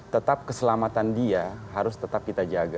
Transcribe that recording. tetap keselamatan dia harus tetap kita jaga